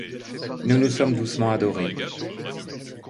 Nous nous sommes doucement adorés.